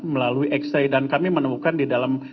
melalui x ray dan kami menemukan di dalam